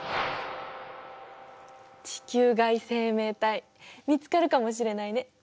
地球外生命体見つかるかもしれないね。